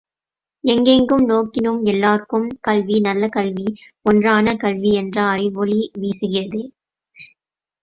எங்கெங்கு நோக்கினும் எல்லார்க்கும் கல்வி, நல்ல கல்வி, ஒன்றான கல்வி என்ற அறிவொளி வீசுகிறதே!